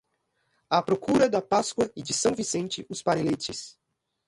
À procura da Páscoa e de São Vicente os parelletes.